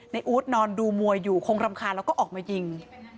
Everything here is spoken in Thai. อู๊ดนอนดูมวยอยู่คงรำคาญแล้วก็ออกมายิง